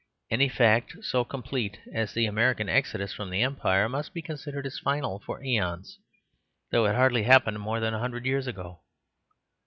Any fact so complete as the American exodus from the Empire must be considered as final for æons, though it hardly happened more than a hundred years ago.